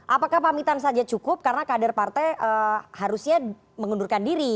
apakah pamitan saja cukup karena kader partai harusnya mengundurkan diri